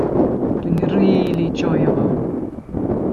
Dw i'n rili joio fo.